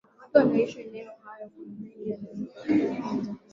watu wanaoishi maeneo hayo kuna mengi unayoweza kujifunza